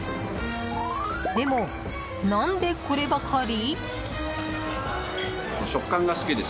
でも、何でこればかり？